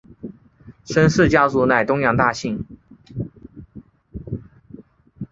申氏家族乃东阳大姓。